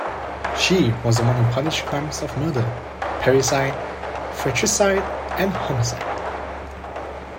She was the one who punished crimes of murder: parricide, fratricide and homicide.